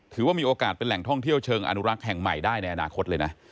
ถือว่ามีโอกาสเป็นแหล่งท่องเที่ยวเชิงอนุรักษ์แห่งใหม่ได้ในอนาคตเลยนะ